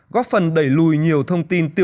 góp phần đẩy lùi nhiều thông tin tuyên truyền